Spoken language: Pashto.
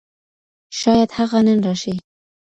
شايد هغه نن راشي.